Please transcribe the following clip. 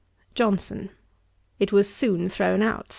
JOHNSON. 'It was soon thrown out.